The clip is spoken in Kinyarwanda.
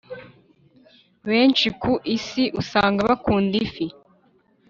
benshi ku isi usanga bakunda ifi